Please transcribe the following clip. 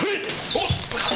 おっ！